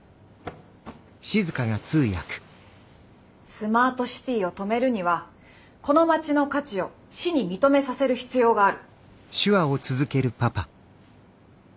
スマートシティを止めるにはこの町の価値を市に認めさせる必要がある。